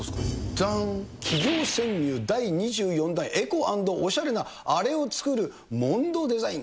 じゃん、企業潜入第２４弾、エコ＆おしゃれなあれを作るモンドデザイン。